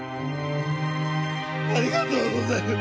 ありがとうございます。